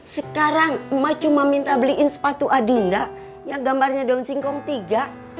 sekarang mah cuma minta beliin sepatu adinda yang gambarnya daun singkong tiga